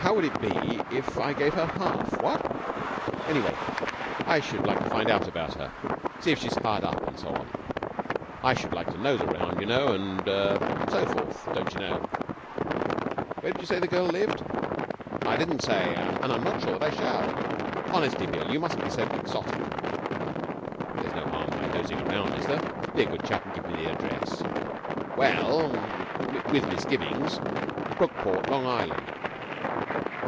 How would it be if I gave her half, what? Anyway, I should like to find out about her, see if she's hard up, and so on. I should like to nose round, you know, and er and so forth, don't you know. Where did you say the girl lived?' 'I didn't say, and I'm not sure that I shall. Honestly, Bill, you mustn't be so quixotic.' 'There's no harm in my nosing round, is there? Be a good chap and give me the address.' 'Well' with misgivings 'Brookport, Long Island.'